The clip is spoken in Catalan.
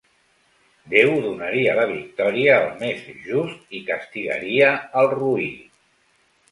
Déu donaria la victòria al més just i castigaria al roí.